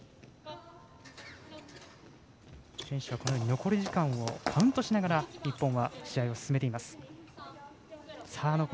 選手は残り時間をカウントしながら日本は試合を進めています。